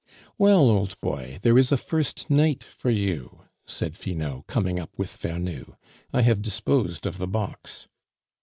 "Well, old boy, there is a first night for you," said Finot, coming up with Vernou. "I have disposed of the box."